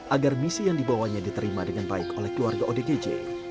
agar misi yang dibawanya diterima dengan baik oleh keluarga odgj